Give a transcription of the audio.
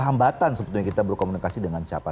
hambatan sebetulnya kita berkomunikasi dengan siapa